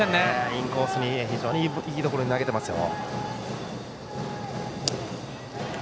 インコースに非常にいいところに投げていますよ。